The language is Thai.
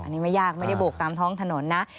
อันนี้ไม่ยากไม่ได้โบกตามท้องถนนนะ